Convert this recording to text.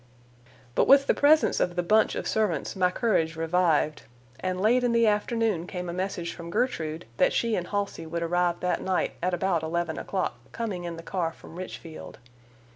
But with the presence of the "bunch" of servants my courage revived, and late in the afternoon came a message from Gertrude that she and Halsey would arrive that night at about eleven o'clock, coming in the car from Richfield.